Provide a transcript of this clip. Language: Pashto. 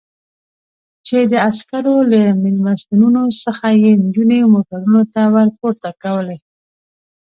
چې د عسکرو له مېلمستونونو څخه یې نجونې موټرونو ته ور پورته کولې.